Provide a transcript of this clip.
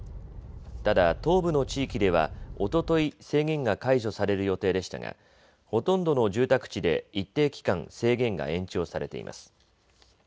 ただ東部の地域ではおととい制限が解除される予定でしたがほとんどの住宅地で一定期間、制限が延長されています。